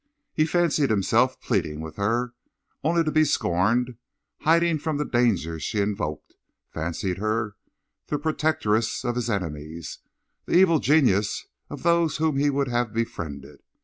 He fancied himself pleading with her, only to be scorned; hiding from the dangers she invoked; fancied her the protectress of his enemies, the evil genius of those whom he would have befriended.